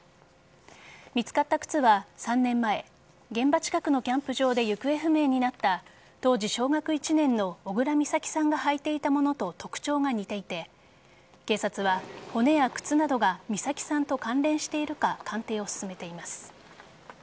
見つかった靴は３年前、現場近くのキャンプ場で行方不明になった当時、小学１年の小倉美咲さんが履いていたものと特徴が似ていて警察は骨や靴などが美咲さんと関連しているか鑑定を進めています。